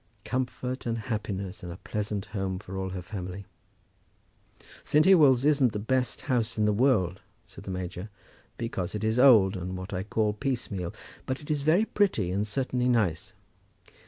Comfort, and happiness, and a pleasant home for all her family. "St. Ewolds isn't the best house in the world," said the major, "because it is old, and what I call piecemeal; but it is very pretty, and certainly nice."